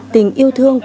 tình yêu thương